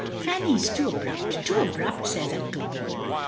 "Fanny is too abrupt — too abrupt," says Uncle Bol.